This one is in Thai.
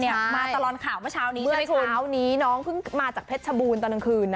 มาตลอดข่าวเมื่อเช้านี้เมื่อเช้านี้น้องเพิ่งมาจากเพชรชบูรณ์ตอนกลางคืนนะ